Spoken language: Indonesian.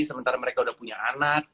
sementara mereka sudah punya anak